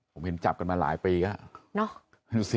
ผมเห็นจับกันมาหลายปีแล้ว